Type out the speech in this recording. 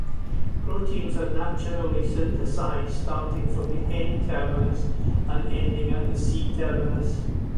Proteins are naturally synthesized starting from the N-terminus and ending at the C-terminus.